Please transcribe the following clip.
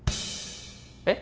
えっ？